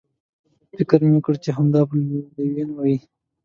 فکر مې وکړ چې همدا به لویینو وي.